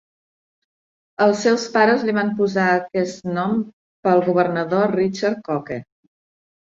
Els seus pares li van posar aquest nom pel governador Richard Coke.